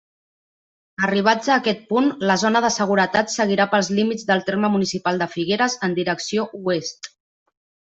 Arribats a aquest punt, la zona de seguretat seguirà pels límits del terme municipal de Figueres en direcció oest.